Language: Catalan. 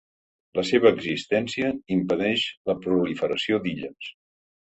La seva existència impedeix la proliferació d'illes.